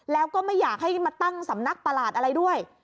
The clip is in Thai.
แล้วก็ไม่อยากให้มาตั้งสำนักประหลาดอะไรด้วย